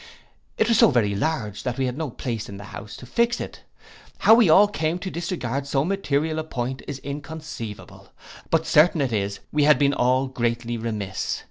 It was so very large that we had no place in the house to fix it. How we all came to disregard so material a point is inconceivable; but certain it is, we had been all greatly remiss.